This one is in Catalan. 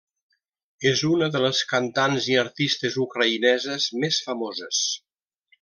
És una de les cantants i artistes ucraïneses més famoses.